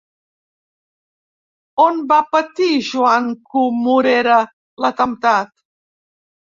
On va patir Joan Comorera l'atemptat?